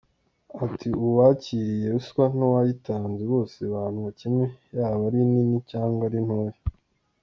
Ati”uwakiriye ruswa n’uwayitanze bose bahanwa kimwe yaba ari nini cyangwa ari ntoya,.